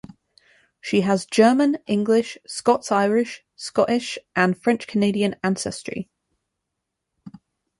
She has German, English, Scots-Irish, Scottish, and French-Canadian ancestry.